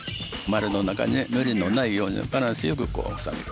丸の中に無理のないようにバランスよく収める。